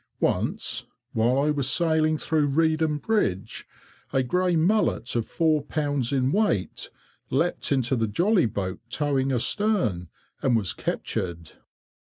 Once, while I was sailing through Reedham Bridge, a grey mullet, of four pounds in weight, leaped into the jolly boat towing astern, and was captured.